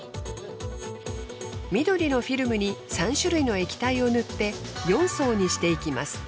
緑のフィルムに３種類の液体を塗って４層にしていきます。